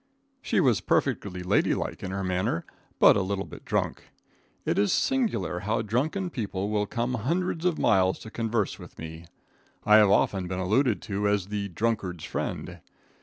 She was perfectly ladylike in her manner, but a little bit drunk. It is singular how drunken people will come hundreds of miles to converse with me. I have often been alluded to as the "drunkard's friend."